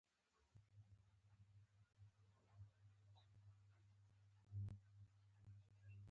پیرودونکی د خبرو نه، د عمل قضاوت کوي.